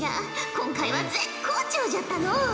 今回は絶好調じゃったのう。